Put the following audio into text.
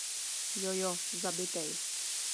Jojo, zabitej.